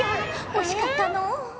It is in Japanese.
惜しかったのう。